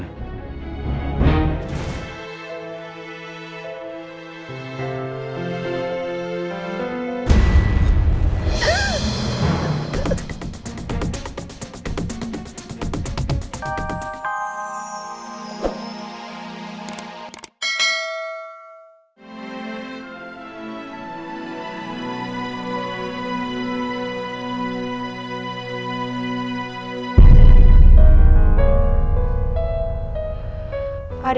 gak usah rendy